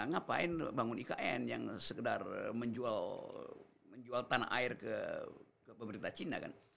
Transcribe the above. ngapain bangun ikn yang sekedar menjual tanah air ke pemerintah cina kan